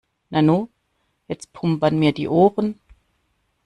Nanu, jetzt pumpern mir die Ohren.